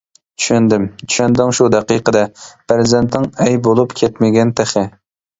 چۈشەندىم، چۈشەندىڭ شۇ دەقىقىدە، پەرزەنتىڭ ئەي بولۇپ كەتمىگەن تېخى.